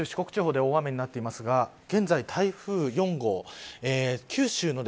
九州、四国地方で大雨になっていますが現在、台風４号